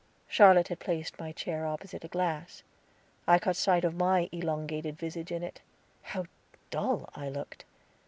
Charlotte had placed my chair opposite a glass; I caught sight of my elongated visage in it. How dull I looked!